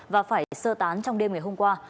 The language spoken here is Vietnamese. và phải sơ tán trong đêm ngày hôm qua